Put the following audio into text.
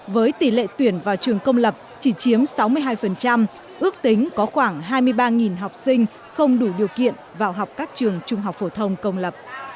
với tỷ lệ tuyển vào trường công lập chỉ chiếm sáu mươi hai ước tính có khoảng hai mươi ba học sinh không đủ điều kiện vào học các trường trung học phổ thông công lập